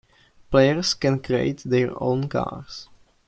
Players can create their own cars.